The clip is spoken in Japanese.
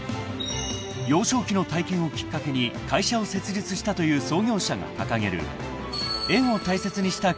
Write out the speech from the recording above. ［幼少期の体験をきっかけに会社を設立したという創業者が掲げる］